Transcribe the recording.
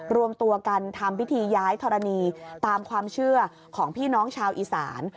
รวมตัวกันทำพิธีย้ายธรณีตามความเชื่อของพี่น้องชาวอีสาน